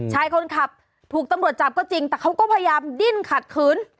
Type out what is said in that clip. ชายคนขับถูกตำรวจจับก็จริงแต่เขาก็พยายามดิ้นขัดขืน